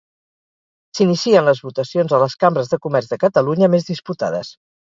S'inicien les votacions a les cambres de comerç de Catalunya més disputades.